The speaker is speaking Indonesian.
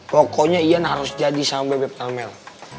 pokoknya ian harus jadi saham bebek sama mel